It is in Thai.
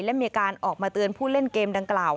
และมีการออกมาเตือนผู้เล่นเกมดังกล่าว